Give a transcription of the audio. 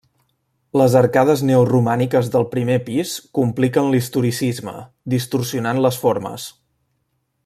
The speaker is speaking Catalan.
Les arcades neoromàniques del primer pis compliquen l'historicisme, distorsionant les formes.